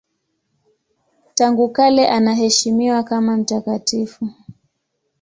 Tangu kale anaheshimiwa kama mtakatifu.